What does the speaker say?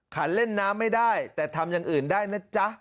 เล่นน้ำไม่ได้แต่ทำอย่างอื่นได้นะจ๊ะ